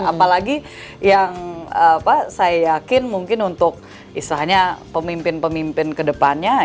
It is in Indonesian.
apalagi yang saya yakin mungkin untuk istilahnya pemimpin pemimpin kedepannya